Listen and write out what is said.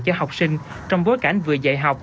cho học sinh trong bối cảnh vừa dạy học